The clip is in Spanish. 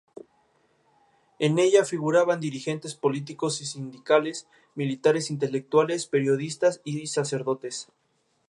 En ella figuraban dirigentes políticos y sindicales, militares, intelectuales, periodistas y sacerdotes.